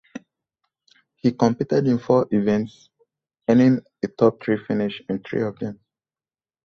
He competed in four events, earning a top three finish in three of them.